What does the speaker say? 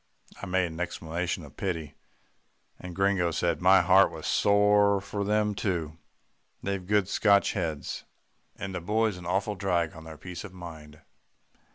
I made an exclamation of pity, and Gringo said, "My heart was sore for them too. They've good Scotch heads, and the boy's an awful drag on their peace of mind.